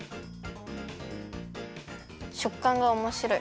しょっかんがおもしろい。